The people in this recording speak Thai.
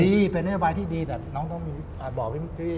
แต่เป็นเรื่องจริงพี่บอกว่าเป็นเรื่องจริง